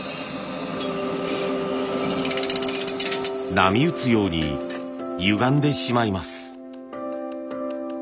波打つようにゆがんでしまいます。